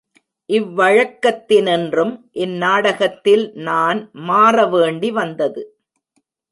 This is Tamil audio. இவ்வழக்கத்தினின்றும் இந்நாடகத்தில் நான் மாற வேண்டி வந்தது.